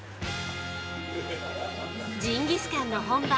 ジンギスカンの本場